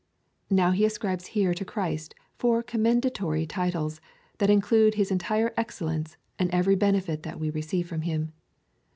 Now he ascribes here to Christ four commendatory titles, that include his entire excellence, and every benefit that we receive from him.